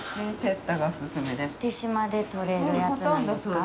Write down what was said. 豊島で取れるやつなんですか？